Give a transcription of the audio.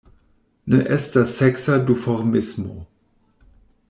Ne estas seksa duformismo.